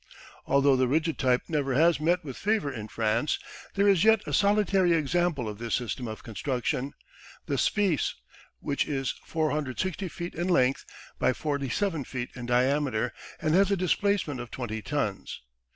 Although the rigid type never has met with favour in France, there is yet a solitary example of this system of construction the Spiess, which is 460 feet in length by 47 feet in diameter and has a displacement of 20 tons.